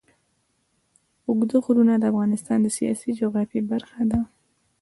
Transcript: اوږده غرونه د افغانستان د سیاسي جغرافیه برخه ده.